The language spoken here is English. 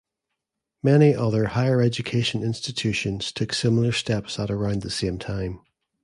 Many other higher education institutions took similar steps at around the same time.